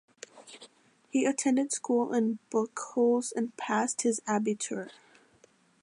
He attended school in Buchholz and passed his Abitur.